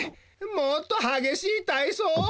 もっとはげしいたいそう？